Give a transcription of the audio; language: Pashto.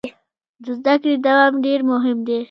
د زده کړې دوام ډیر مهم دی.